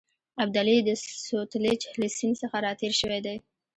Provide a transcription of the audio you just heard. ابدالي د سوتلیج له سیند څخه را تېر شوی دی.